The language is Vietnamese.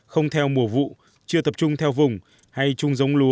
không theo mùa vụ chưa tập trung theo vùng hay chung giống lúa